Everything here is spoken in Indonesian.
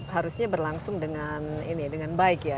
harusnya berlangsung dengan baik ya